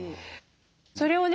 それをね